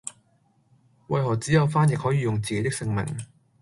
為何只有翻譯可以用自己的姓名